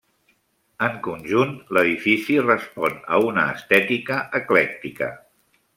En conjunt, l'edifici respon a una estètica eclèctica.